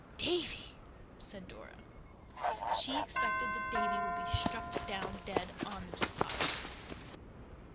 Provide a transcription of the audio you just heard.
"Davy!!!" said Dora. She expected that Davy would be struck down dead on the spot.